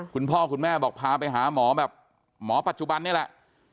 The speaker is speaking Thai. คุณพ่อคุณแม่บอกพาไปหาหมอแบบหมอปัจจุบันนี่แหละ